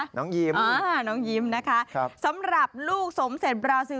ชื่ออะไรนะคะน้องยีมนะคะสำหรับลูกสมเสร็จบราซิล